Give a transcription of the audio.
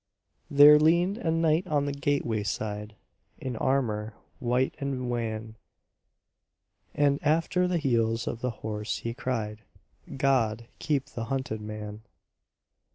There leaned a knight on the gateway side In armour white and wan, And after the heels of the horse he cried, "God keep the hunted man!"